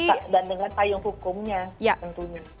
dan dengan payung hukumnya tentunya